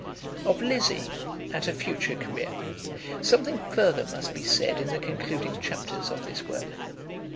Of Lizzie, and her future career, something further must be said in the concluding chapters of this work.